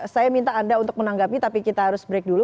saya minta anda untuk menanggapi tapi kita harus break dulu